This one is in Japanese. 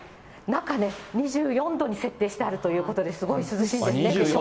中ね、２４度に設定してあるということで、すごい涼しいんですね。